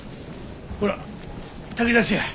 ほら炊き出しや。